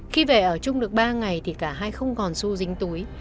khi về ở chung được ba ngày thì cả hai không còn su dính túi